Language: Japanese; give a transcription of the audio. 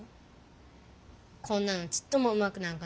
こんなのちっともうまくなんかないじゃない。